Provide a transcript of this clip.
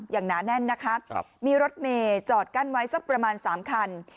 หนาแน่นนะคะมีรถเมย์จอดกั้นไว้สักประมาณ๓คัน